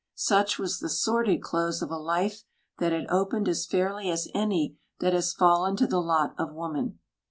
Such was the sordid close of a life that had opened as fairly as any that has fallen to the lot of woman.